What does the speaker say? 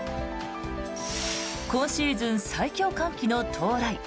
今シーズン最強寒気の到来。